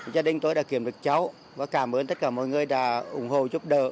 gia đình tôi đã kiếm được cháu và cảm ơn tất cả mọi người đã ủng hộ giúp đỡ